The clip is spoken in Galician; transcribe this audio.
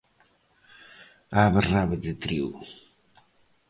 Abe Rábade Trío.